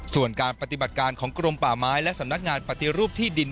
ส่วนการปฏิบัติการของกรมป่าไม้และสำนักงานปฏิรูปที่ดิน